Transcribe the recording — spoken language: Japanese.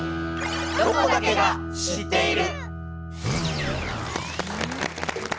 「ロコだけが知っている」。